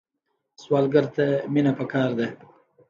سوالګر ته مینه پکار ده